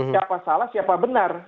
siapa salah siapa benar